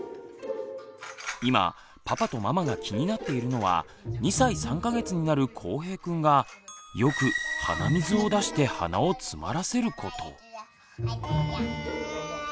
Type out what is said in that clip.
今パパとママが気になっているのは２歳３か月になるこうへいくんがよく鼻水を出して鼻をつまらせること。